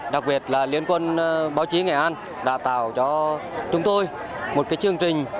đặc biệt là liên quân báo chí nghệ an đã tạo cho chúng tôi một chương trình